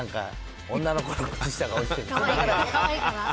女の子の靴下が落ちてるの。